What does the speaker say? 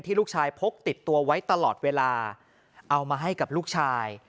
ลูกชายพกติดตัวไว้ตลอดเวลาเอามาให้กับลูกชาย